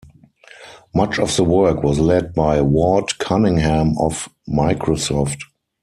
Much of the work was led by Ward Cunningham, of Microsoft.